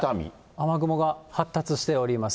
雨雲が発達しております。